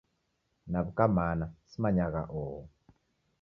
Naw'uka mana, simanyagha oho.